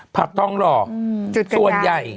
ผักทองหล่อส่วนใหญ่